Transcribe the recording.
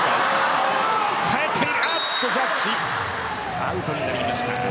アウトになりました。